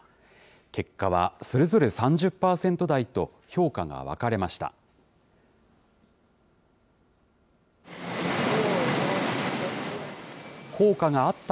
結果はそれぞれ３０％台と、評価が分かれました。